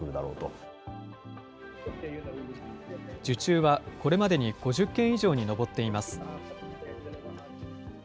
受注はこれまでに５０件以上に上っています。